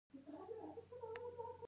علم د ژوند اساس جوړوي